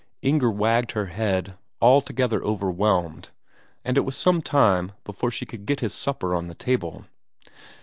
Inger wagged her head, altogether overwhelmed, and it was some time before she could get his supper on the table.